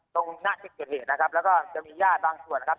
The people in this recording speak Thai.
ตรงหน้าที่เกิดเหตุนะครับแล้วก็จะมีญาติบางส่วนนะครับ